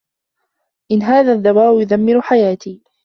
إنّ هذا الدّواء يدمّر حياتي.